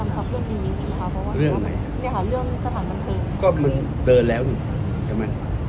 การประชุมเมื่อวานมีข้อกำชับหรือข้อกำชับอะไรเป็นพิเศษ